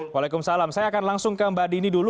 waalaikumsalam saya akan langsung ke mbak dini dulu